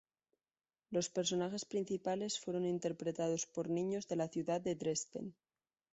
Los personajes principales fueron interpretados por niños de la ciudad de Dresden.